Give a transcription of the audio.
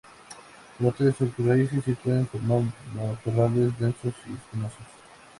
Brota de sus raíces y puede formar matorrales densos y espinosos.